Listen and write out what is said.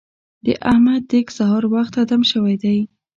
د احمد دېګ سهار وخته دم شوی دی.